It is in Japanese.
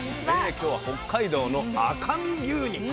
今日は北海道の赤身牛肉。